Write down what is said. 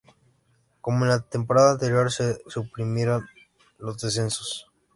Como en la temporada anterior, se suprimieron los descensos.